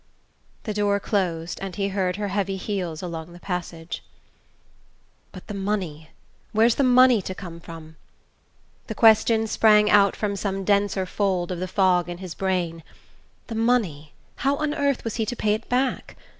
The door closed, and he heard her heavy heels along the passage. "But the money where's the money to come from?" The question sprang out from some denser fold of the fog in his brain. The money how on earth was he to pay it back?